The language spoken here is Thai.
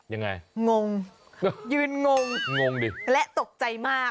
อย่างไรงงยืนงงและตกใจมาก